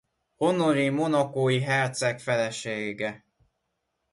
Honoré monacói herceg felesége.